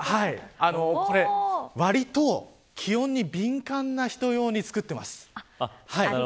わりと気温に敏感な人用に作っています。